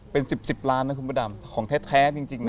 เป็น๑๐๑๐ล้านนะคุณพระดำของแท้จริงนะ